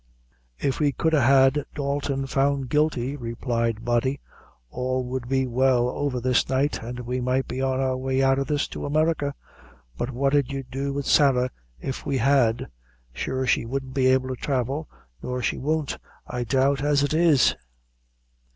"If we could a' had Dalton found guilty," replied Body, "all would be well over this night, an' we might be on our way out o' this to America; but what 'ud you do wid Sarah if we had? Sure she wouldn't be able to travel, nor she won't, I doubt, as it is."